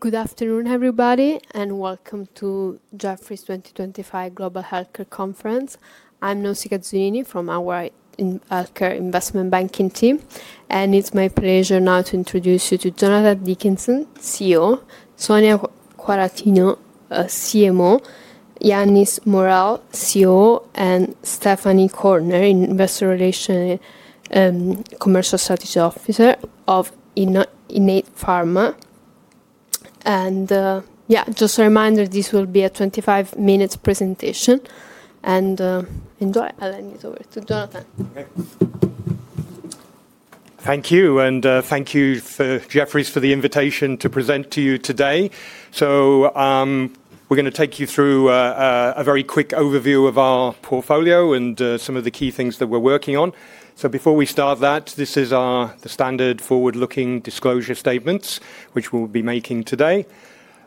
Good afternoon, everybody, and welcome to Jefferies 2025 Global Healthcare Conference. I'm Nausica Zunini from our healthcare investment banking team, and it's my pleasure now to introduce you to Jonathan Dickinson, CEO; Sonia Quaratino, CMO; Yannis Morel, COO; and Stéphanie Cornen, Investor Relations and Commercial Strategy Officer of Innate Pharma. Yeah, just a reminder, this will be a 25-minute presentation, and I'll hand it over to Jonathan. Thank you, and thank you to Jefferies for the invitation to present to you today. We're going to take you through a very quick overview of our portfolio and some of the key things that we're working on. Before we start that, this is the standard forward-looking disclosure statements which we'll be making today.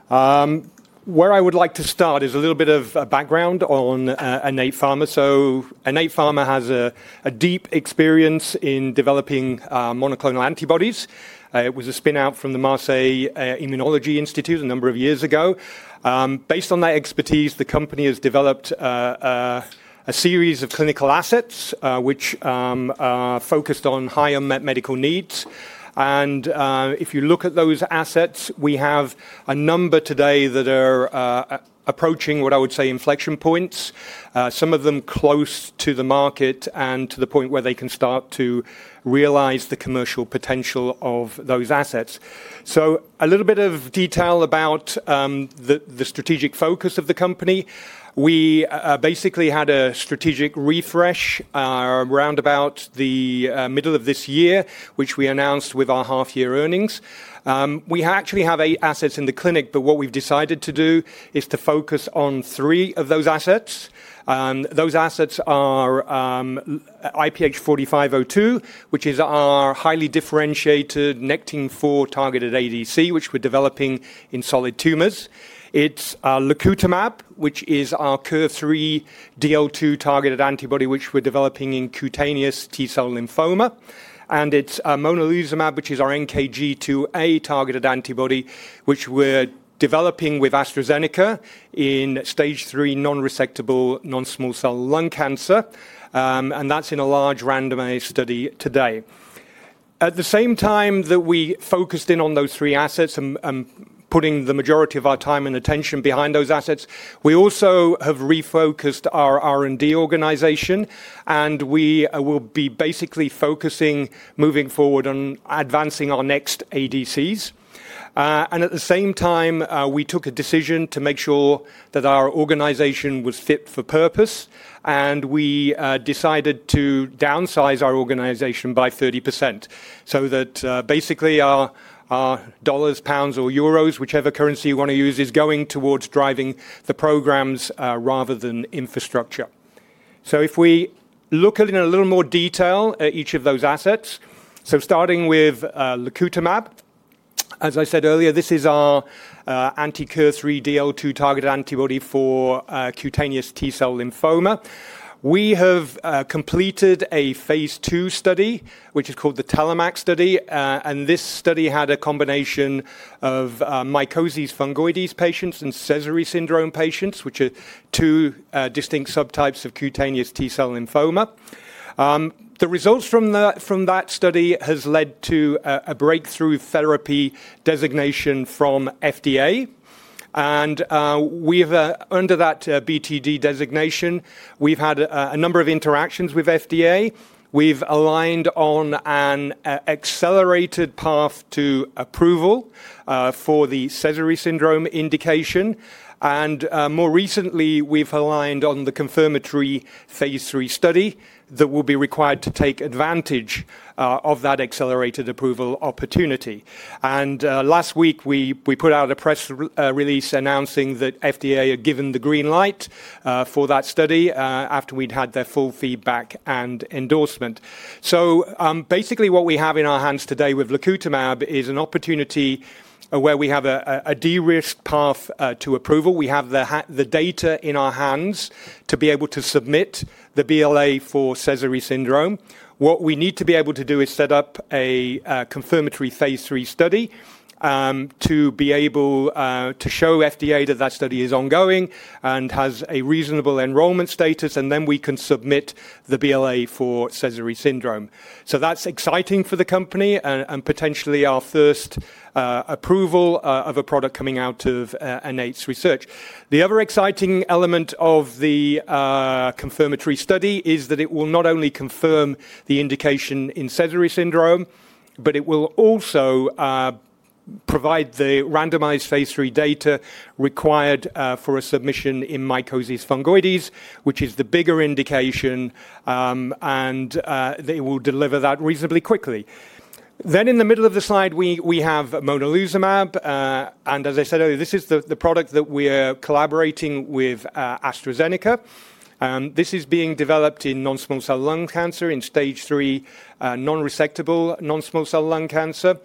Where I would like to start is a little bit of background on Innate Pharma. Innate Pharma has a deep experience in developing monoclonal antibodies. It was a spin-out from the Marseille Immunology Institute a number of years ago. Based on that expertise, the company has developed a series of clinical assets which focused on higher medical needs. If you look at those assets, we have a number today that are approaching what I would say inflection points, some of them close to the market and to the point where they can start to realize the commercial potential of those assets. A little bit of detail about the strategic focus of the company: we basically had a strategic refresh around about the middle of this year, which we announced with our half-year earnings. We actually have eight assets in the clinic, but what we've decided to do is to focus on three of those assets. Those assets are IPH4502, which is our highly differentiated Nectin-4 targeted ADC, which we're developing in solid tumors. It's lacutamab, which is our KIR3DL2 targeted antibody, which we're developing in cutaneous T-cell lymphoma. It's monalizumab, which is our NKG2A targeted antibody, which we're developing with AstraZeneca in stage III non-resectable, non-small cell lung cancer, and that's in a large randomized study today. At the same time that we focused in on those three assets and putting the majority of our time and attention behind those assets, we also have refocused our R&D organization, and we will be basically focusing moving forward on advancing our next ADCs. At the same time, we took a decision to make sure that our organization was fit for purpose, and we decided to downsize our organization by 30% so that basically our dollars, pounds, or euros, whichever currency you want to use, is going towards driving the programs rather than infrastructure. If we look in a little more detail at each of those assets, starting with lacutamab, as I said earlier, this is our anti-KIR3DL2 targeted antibody for cutaneous T-cell lymphoma. We have completed a phase II study, which is called the TELLOMAK study, and this study had a combination of mycosis fungoides patients and Sézary syndrome patients, which are two distinct subtypes of cutaneous T-cell lymphoma. The results from that study have led to a breakthrough therapy designation from FDA, and under that BTD designation, we've had a number of interactions with FDA. We've aligned on an accelerated path to approval for the Sézary syndrome indication, and more recently, we've aligned on the confirmatory phase III study that will be required to take advantage of that accelerated approval opportunity. Last week, we put out a press release announcing that FDA had given the green light for that study after we'd had their full feedback and endorsement. Basically what we have in our hands today with lacutamab is an opportunity where we have a de-risked path to approval. We have the data in our hands to be able to submit the BLA for Sézary syndrome. What we need to be able to do is set up a confirmatory phase III study to be able to show FDA that that study is ongoing and has a reasonable enrollment status, and then we can submit the BLA for Sézary syndrome. That's exciting for the company and potentially our first approval of a product coming out of Innate's research. The other exciting element of the confirmatory study is that it will not only confirm the indication in Sézary syndrome, but it will also provide the randomized phase III data required for a submission in mycosis fungoides, which is the bigger indication, and it will deliver that reasonably quickly. In the middle of the slide, we have monalizumab, and as I said earlier, this is the product that we're collaborating with AstraZeneca. This is being developed in non-small cell lung cancer in stage III non-resectable non-small cell lung cancer.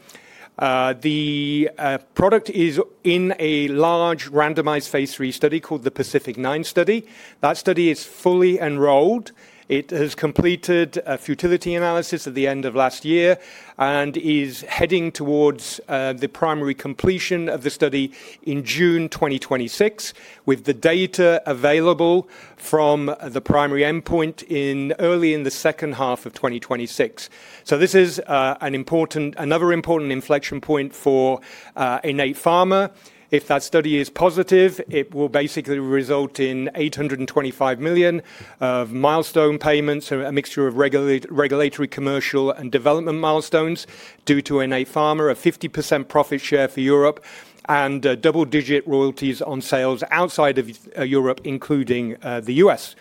The product is in a large randomized phase III study called the PACIFIC-9 study. That study is fully enrolled. It has completed a futility analysis at the end of last year and is heading towards the primary completion of the study in June 2026, with the data available from the primary endpoint early in the second half of 2026. This is another important inflection point for Innate Pharma. If that study is positive, it will basically result in $825 million of milestone payments, a mixture of regulatory, commercial, and development milestones due to Innate Pharma, a 50% profit share for Europe, and double-digit royalties on sales outside of Europe, including the U.S.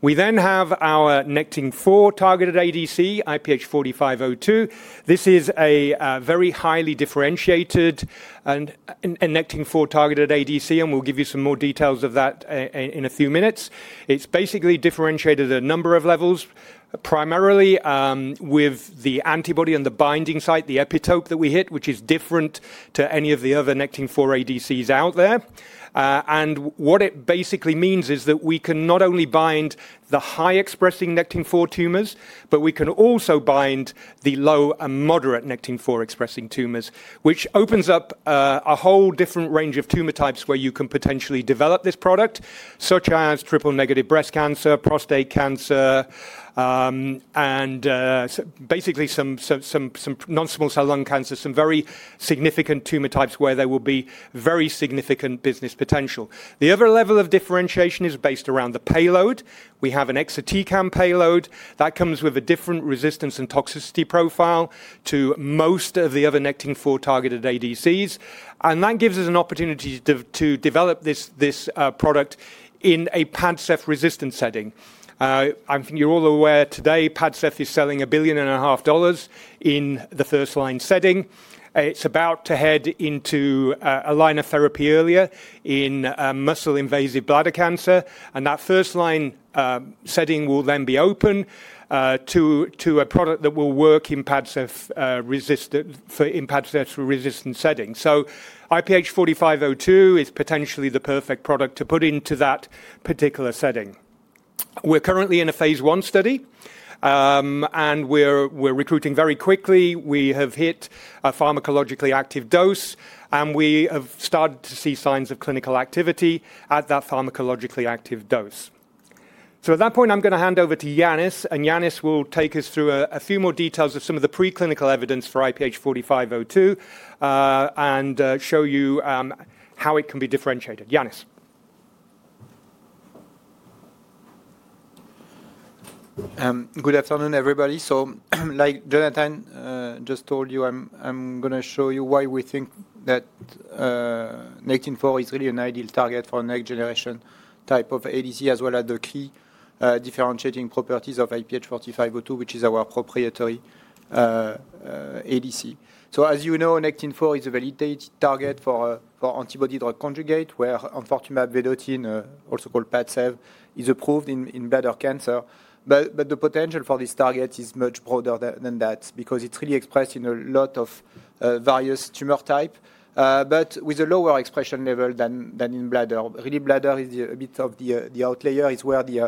We then have our Nectin-4 targeted ADC, IPH4502. This is a very highly differentiated Nectin-4 targeted ADC, and we'll give you some more details of that in a few minutes. It's basically differentiated at a number of levels, primarily with the antibody and the binding site, the epitope that we hit, which is different to any of the other Nectin-4 ADCs out there. What it basically means is that we can not only bind the high-expressing Nectin-4 tumors, but we can also bind the low and moderate Nectin-4 expressing tumors, which opens up a whole different range of tumor types where you can potentially develop this product, such as triple-negative breast cancer, prostate cancer, and basically some non-small cell lung cancers, some very significant tumor types where there will be very significant business potential. The other level of differentiation is based around the payload. We have an exatecan payload that comes with a different resistance and toxicity profile to most of the other Nectin-4 targeted ADCs, and that gives us an opportunity to develop this product in a PADCEV-resistant setting. I think you're all aware today PADCEV is selling $1.5 billion in the first-line setting. It's about to head into a line of therapy earlier in muscle-invasive bladder cancer, and that first-line setting will then be open to a product that will work in PADCEV-resistant settings. IPH4502 is potentially the perfect product to put into that particular setting. We're currently in a phase I study, and we're recruiting very quickly. We have hit a pharmacologically active dose, and we have started to see signs of clinical activity at that pharmacologically active dose. At that point, I'm going to hand over to Yannis, and Yannis will take us through a few more details of some of the preclinical evidence for IPH4502 and show you how it can be differentiated. Yannis. Good afternoon, everybody. Like Jonathan just told you, I'm going to show you why we think that Nectin-4 is really an ideal target for next-generation type of ADC, as well as the key differentiating properties of IPH4502, which is our proprietary ADC. As you know, Nectin-4 is a validated target for antibody-drug conjugate, where unfortunately PADCEV is approved in bladder cancer. The potential for this target is much broader than that because it's really expressed in a lot of various tumor types, but with a lower expression level than in bladder. Really, bladder is a bit of the outlier; it's where the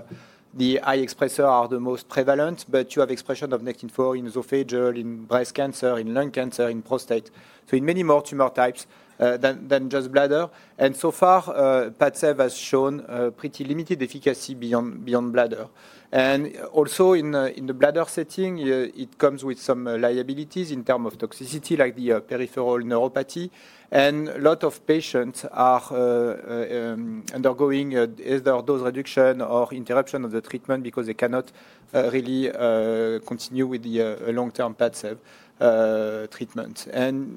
high expressors are the most prevalent, but you have expression of Nectin-4 in esophageal, in breast cancer, in lung cancer, in prostate, so in many more tumor types than just bladder. So far, PADCEV has shown pretty limited efficacy beyond bladder. Also, in the bladder setting, it comes with some liabilities in terms of toxicity, like the peripheral neuropathy, and a lot of patients are undergoing either dose reduction or interruption of the treatment because they cannot really continue with the long-term PADCEV treatment.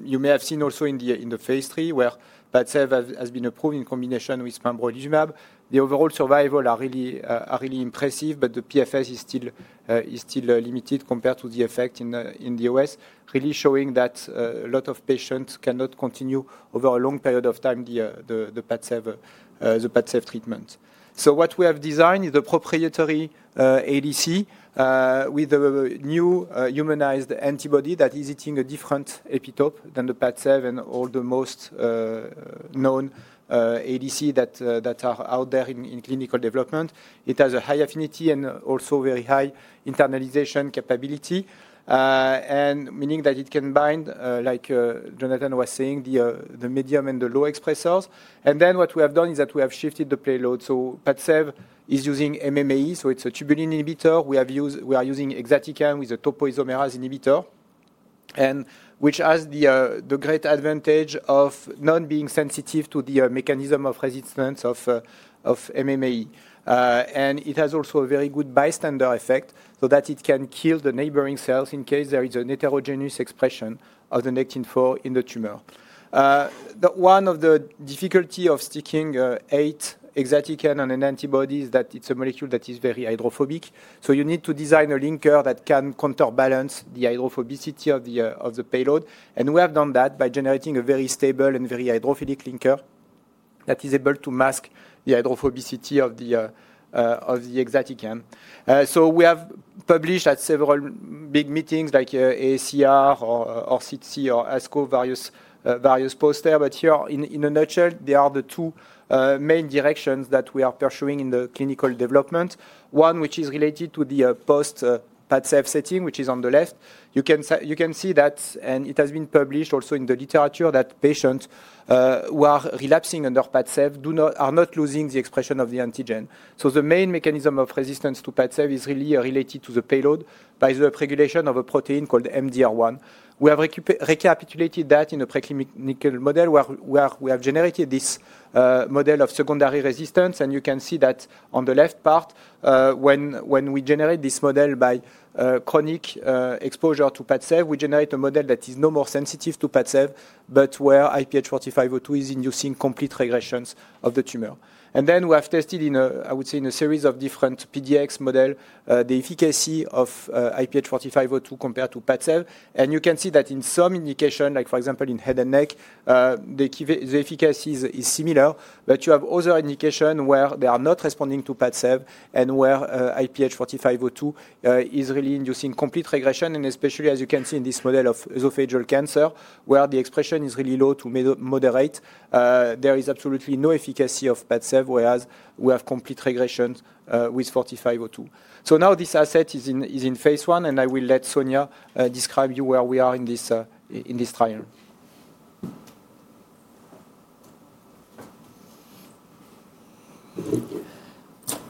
You may have seen also in the phase III, where PADCEV has been approved in combination with pembrolizumab, the overall survival is really impressive, but the PFS is still limited compared to the effect in the U.S., really showing that a lot of patients cannot continue over a long period of time the PADCEV treatment. What we have designed is a proprietary ADC with a new humanized antibody that is hitting a different epitope than the PADCEV and all the most known ADCs that are out there in clinical development. It has a high affinity and also very high internalization capability, meaning that it can bind, like Jonathan was saying, the medium and the low expressors. What we have done is that we have shifted the payload. PADCEV is using MMAE, so it's a tubulin inhibitor. We are using exatecan with a topoisomerase inhibitor, which has the great advantage of not being sensitive to the mechanism of resistance of MMAE. It has also a very good bystander effect so that it can kill the neighboring cells in case there is a heterogeneous expression of the Nectin-4 in the tumor. One of the difficulties of sticking eight exatecan and an antibody is that it's a molecule that is very hydrophobic, so you need to design a linker that can counterbalance the hydrophobicity of the payload. We have done that by generating a very stable and very hydrophilic linker that is able to mask the hydrophobicity of the exatecan. We have published at several big meetings like AACR, RCT, or ASCO various posters, but here, in a nutshell, they are the two main directions that we are pursuing in the clinical development. One, which is related to the post-PADCEV setting, which is on the left. You can see that, and it has been published also in the literature, that patients who are relapsing under PADCEV are not losing the expression of the antigen. The main mechanism of resistance to PADCEV is really related to the payload by the upregulation of a protein called MDR1. We have recapitulated that in a preclinical model where we have generated this model of secondary resistance, and you can see that on the left part, when we generate this model by chronic exposure to PADCEV, we generate a model that is no more sensitive to PADCEV, but where IPH4502 is inducing complete regressions of the tumor. We have tested, I would say, in a series of different PDX models, the efficacy of IPH4502 compared to PADCEV, and you can see that in some indications, like for example in head and neck, the efficacy is similar, but you have other indications where they are not responding to PADCEV and where IPH4502 is really inducing complete regression. Especially, as you can see in this model of esophageal cancer, where the expression is really low to moderate, there is absolutely no efficacy of PADCEV, whereas we have complete regressions with 4502. Now this asset is in phase I, and I will let Sonia describe to you where we are in this trial.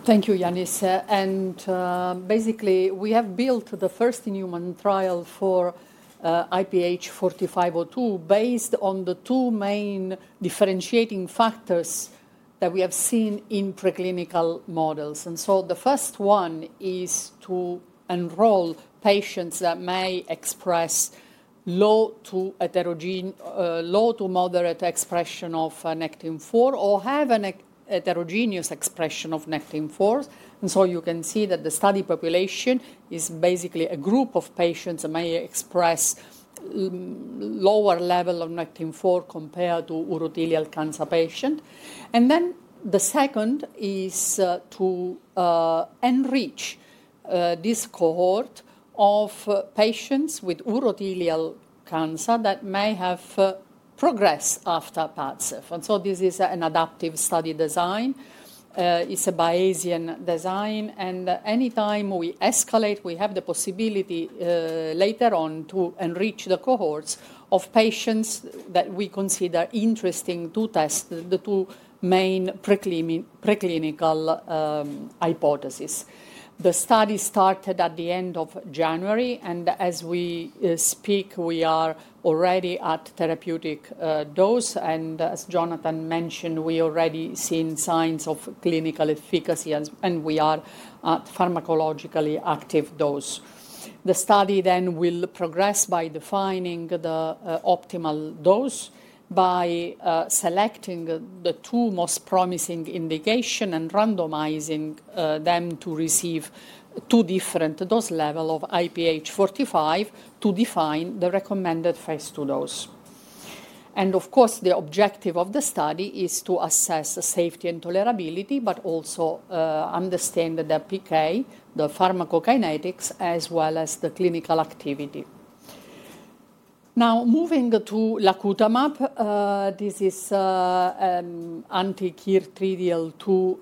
Thank you, Yannis. Basically, we have built the first inhuman trial for IPH4502 based on the two main differentiating factors that we have seen in preclinical models. The first one is to enroll patients that may express low to moderate expression of Nectin-4 or have a heterogeneous expression of Nectin-4. You can see that the study population is basically a group of patients that may express a lower level of Nectin-4 compared to urothelial cancer patients. The second is to enrich this cohort of patients with urothelial cancer that may have progressed after PADCEV. This is an adaptive study design. It's a Bayesian design, and anytime we escalate, we have the possibility later on to enrich the cohorts of patients that we consider interesting to test the two main preclinical hypotheses. The study started at the end of January, and as we speak, we are already at therapeutic dose, and as Jonathan mentioned, we already see signs of clinical efficacy, and we are at pharmacologically active dose. The study then will progress by defining the optimal dose by selecting the two most promising indications and randomizing them to receive two different dose levels of IPH4502 to define the recommended phase II dose. Of course, the objective of the study is to assess safety and tolerability, but also understand the PK, the pharmacokinetics, as well as the clinical activity. Now, moving to lacutamab, this is anti-KIR3DL2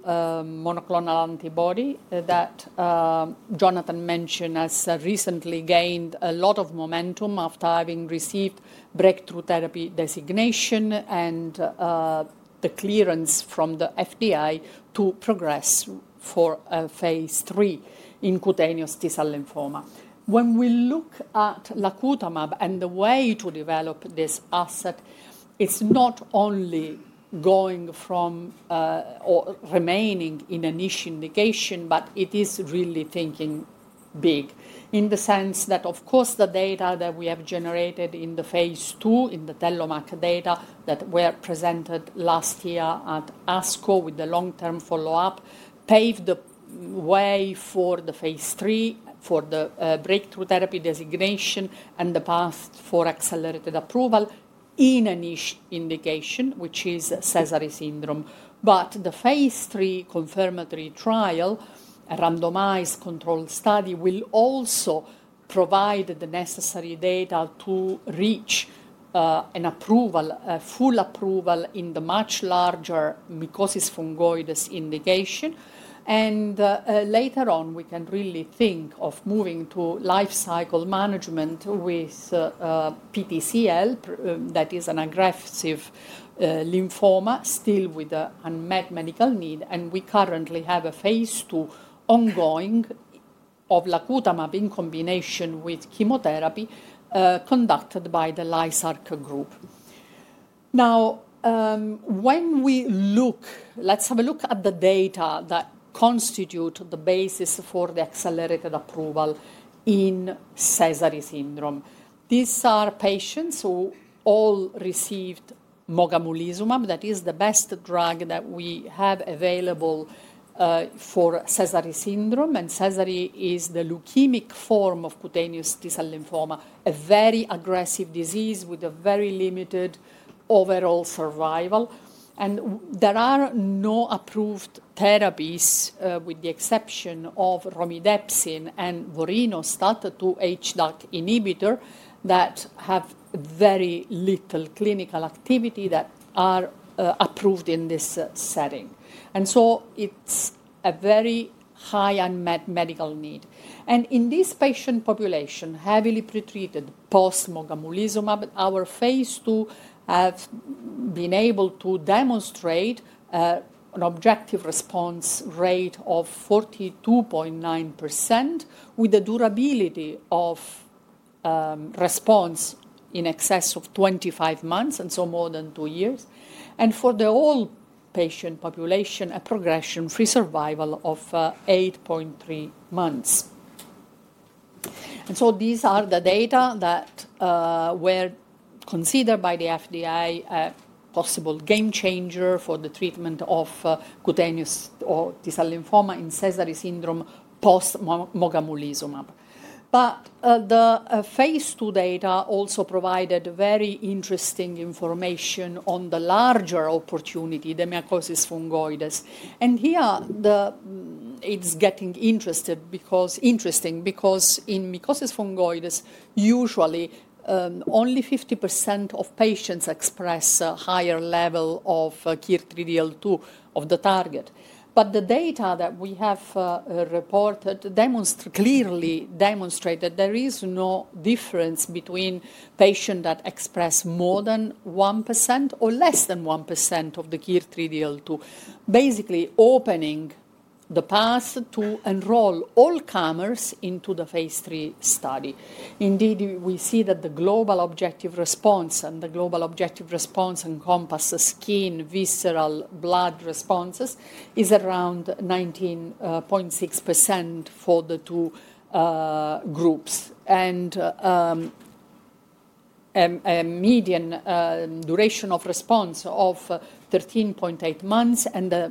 monoclonal antibody that Jonathan mentioned has recently gained a lot of momentum after having received breakthrough therapy designation and the clearance from the FDA to progress for phase III in cutaneous T-cell lymphoma. When we look at lacutamab and the way to develop this asset, it's not only going from or remaining in a niche indication, but it is really thinking big in the sense that, of course, the data that we have generated in the phase II, in the TELLOMAK data that were presented last year at ASCO with the long-term follow-up, paved the way for the phase III for the breakthrough therapy designation and the path for accelerated approval in a niche indication, which is Sézary syndrome. The phase III confirmatory trial, a randomized controlled study, will also provide the necessary data to reach an approval, a full approval in the much larger mycosis fungoides indication. Later on, we can really think of moving to life cycle management with PTCL, that is an aggressive lymphoma still with an unmet medical need, and we currently have a phase II ongoing of lacutamab in combination with chemotherapy conducted by the LYSA group. Now, when we look, let's have a look at the data that constitute the basis for the accelerated approval in Sézary syndrome. These are patients who all received mogamulizumab, that is the best drug that we have available for Sézary syndrome, and Sézary is the leukemic form of cutaneous T-cell lymphoma, a very aggressive disease with a very limited overall survival. There are no approved therapies with the exception of romidepsin and vorinostat, two HDAC inhibitors that have very little clinical activity that are approved in this setting. It is a very high unmet medical need. In this patient population, heavily pretreated post-mogamulizumab, our phase II has been able to demonstrate an objective response rate of 42.9% with a durability of response in excess of 25 months, so more than two years. For the whole patient population, a progression-free survival of 8.3 months. These are the data that were considered by the FDA a possible game changer for the treatment of cutaneous T-cell lymphoma in Sézary syndrome post-mogamulizumab. The phase II data also provided very interesting information on the larger opportunity, the mycosis fungoides. Here, it's getting interesting because in mycosis fungoides, usually only 50% of patients express a higher level of KIR3DL2, the target. The data that we have reported clearly demonstrate that there is no difference between patients that express more than 1% or less than 1% of the KIR3DL2, basically opening the path to enroll all comers into the phase III study. Indeed, we see that the global objective response, and the global objective response encompasses skin, visceral, blood responses, is around 19.6% for the two groups. A median duration of response of 13.8 months and a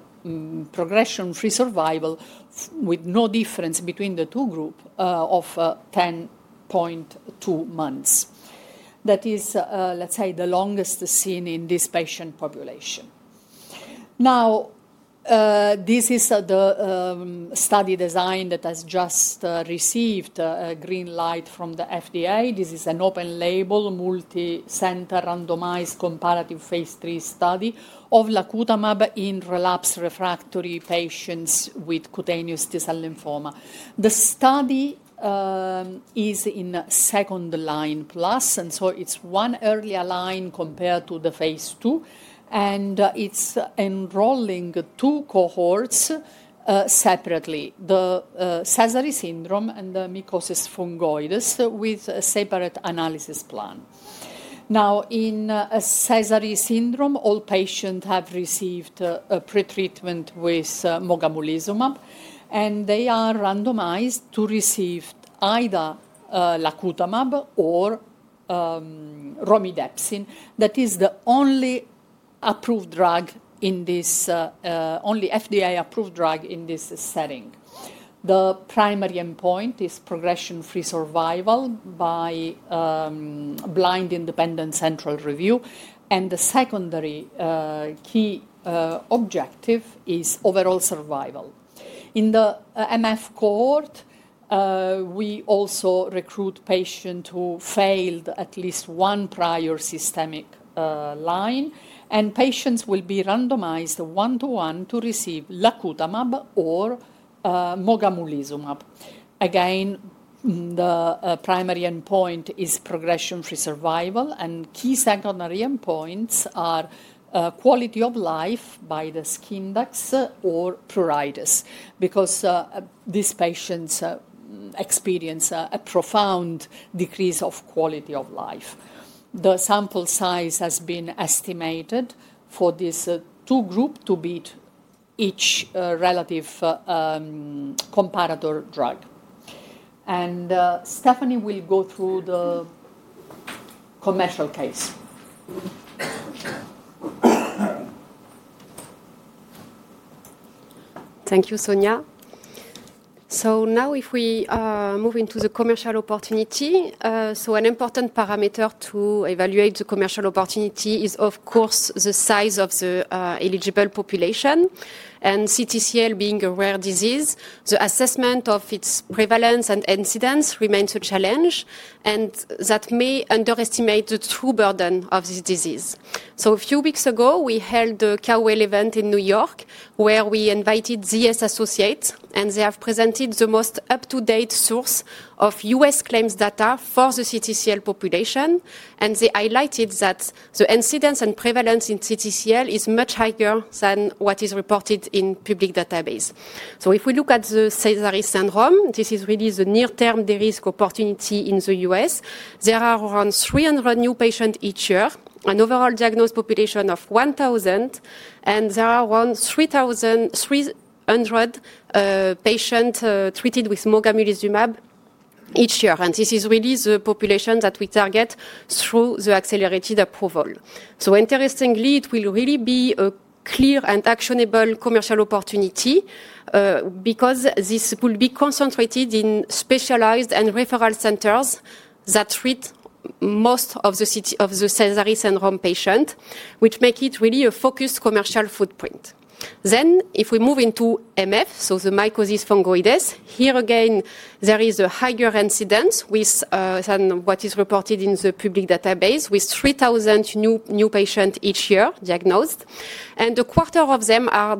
progression-free survival with no difference between the two groups of 10.2 months. That is, let's say, the longest seen in this patient population. Now, this is the study design that has just received green light from the FDA. This is an open-label, multi-center randomized comparative phase III study of lacutamab in relapsed refractory patients with cutaneous T-cell lymphoma. The study is in second line plus, and so it's one earlier line compared to the phase II, and it's enrolling two cohorts separately, the Sézary syndrome and the mycosis fungoides, with a separate analysis plan. Now, in Sézary syndrome, all patients have received pretreatment with mogamulizumab, and they are randomized to receive either lacutamab or romidepsin. That is the only approved drug in this, only FDA-approved drug in this setting. The primary endpoint is progression-free survival by blind independent central review, and the secondary key objective is overall survival. In the MF cohort, we also recruit patients who failed at least one prior systemic line, and patients will be randomized one-to-one to receive lacutamab or mogamulizumab. Again, the primary endpoint is progression-free survival, and key secondary endpoints are quality of life by the Skindex or pruritus because these patients experience a profound decrease of quality of life. The sample size has been estimated for these two groups to beat each relative comparator drug. Stéphanie will go through the commercial case. Thank you, Sonia. Now, if we move into the commercial opportunity, an important parameter to evaluate the commercial opportunity is, of course, the size of the eligible population. CTCL being a rare disease, the assessment of its prevalence and incidence remains a challenge, and that may underestimate the true burden of this disease. A few weeks ago, we held the Cowen event in New York where we invited ZS Associates, and they have presented the most up-to-date source of U.S. claims data for the CTCL population, and they highlighted that the incidence and prevalence in CTCL is much higher than what is reported in the public database. If we look at the Sézary syndrome, this is really the near-term de-risk opportunity in the U.S.. There are around 300 new patients each year, an overall diagnosed population of 1,000, and there are around 3,000 patients treated with mogamulizumab each year. This is really the population that we target through the accelerated approval. Interestingly, it will really be a clear and actionable commercial opportunity because this will be concentrated in specialized and referral centers that treat most of the Sézary syndrome patients, which makes it really a focused commercial footprint. If we move into MF, so the mycosis fungoides, here again, there is a higher incidence with what is reported in the public database with 3,000 new patients each year diagnosed, and a quarter of them are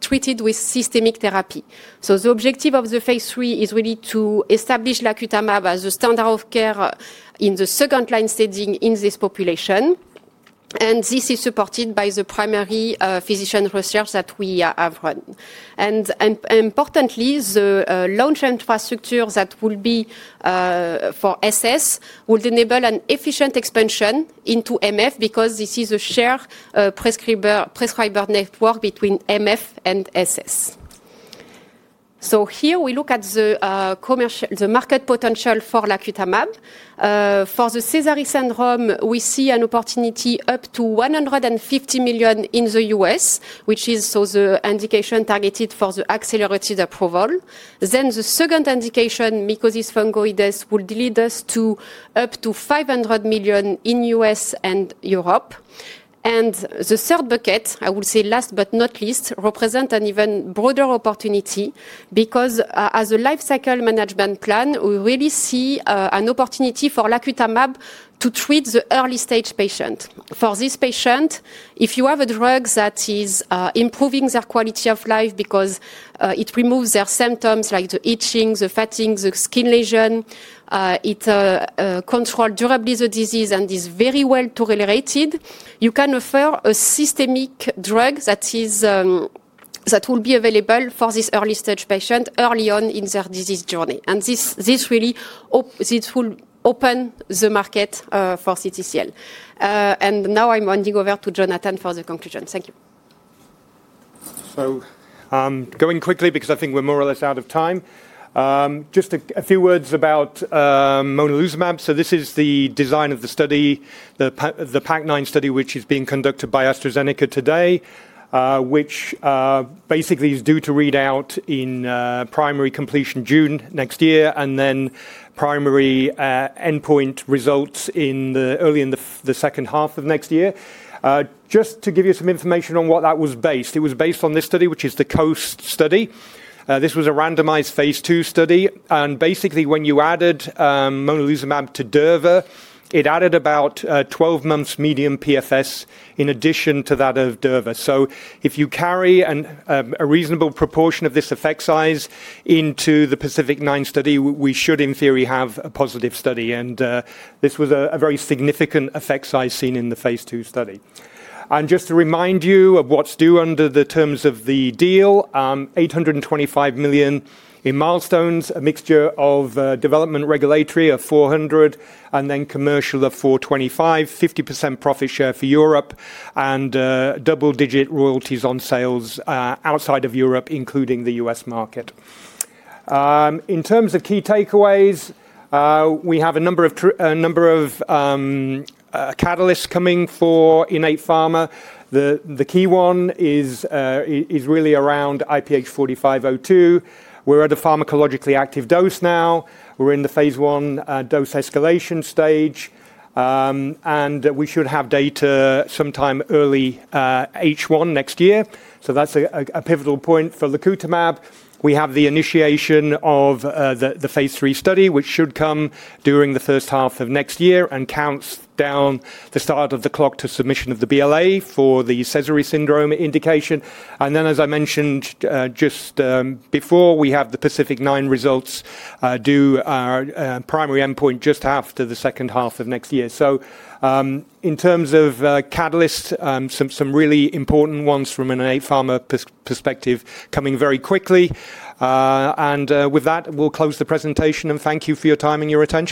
treated with systemic therapy. The objective of the phase III is really to establish lacutamab as a standard of care in the second-line setting in this population, and this is supported by the primary physician research that we have run. Importantly, the launch infrastructure that will be for SS will enable an efficient expansion into MF because this is a shared prescriber network between MF and SS. Here, we look at the market potential for lacutamab. For the Sézary syndrome, we see an opportunity up to $150 million in the U.S., which is the indication targeted for the accelerated approval. The second indication, mycosis fungoides, will lead us to up to $500 million in the U.S. and Europe. The third bucket, I will say last but not least, represents an even broader opportunity because as a life cycle management plan, we really see an opportunity for lacutamab to treat the early-stage patient. For this patient, if you have a drug that is improving their quality of life because it removes their symptoms like the itching, the fatigue, the skin lesion, it controls durably the disease and is very well tolerated, you can offer a systemic drug that will be available for this early-stage patient early on in their disease journey. This will open the market for CTCL. Now I am handing over to Jonathan for the conclusion. Thank you. I'm going quickly because I think we're more or less out of time. Just a few words about monalizumab. This is the design of the study, the PACIFIC-9 study, which is being conducted by AstraZeneca today, which basically is due to read out in primary completion June next year and then primary endpoint results early in the second half of next year. Just to give you some information on what that was based, it was based on this study, which is the COAST study. This was a randomized phase II study. Basically, when you added monalizumab to durva, it added about 12 months median PFS in addition to that of durva. If you carry a reasonable proportion of this effect size into the PACIFIC-9 study, we should, in theory, have a positive study. This was a very significant effect size seen in the phase II study. Just to remind you of what is due under the terms of the deal, $825 million in milestones, a mixture of development regulatory of $400 million and then commercial of $425 million, 50% profit share for Europe and double-digit royalties on sales outside of Europe, including the U.S. market. In terms of key takeaways, we have a number of catalysts coming for Innate Pharma. The key one is really around IPH4502. We are at a pharmacologically active dose now. We are in the phase I dose escalation stage, and we should have data sometime early H1 next year. That is a pivotal point for lacutamab. We have the initiation of the phase III study, which should come during the first half of next year and counts down the start of the clock to submission of the BLA for the Sézary syndrome indication. As I mentioned just before, we have the PACIFIC-9 results due at primary endpoint just after the second half of next year. In terms of catalysts, some really important ones from an Innate Pharma perspective coming very quickly. With that, we'll close the presentation and thank you for your time and your attention.